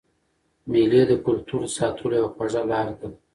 مېلې د کلتور د ساتلو یوه خوږه لار ده.